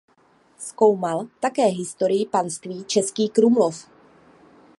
Zkoumal také historii panství Český Krumlov.